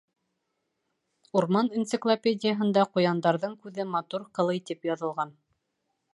Урман энциклопедияһында ҡуяндарҙың күҙе матур ҡылый тип яҙылған.